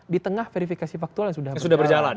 di tengah verifikasi faktual yang sudah berjalan